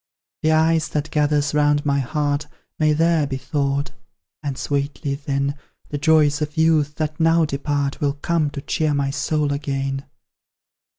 The ice that gathers round my heart May there be thawed; and sweetly, then, The joys of youth, that now depart, Will come to cheer my soul again.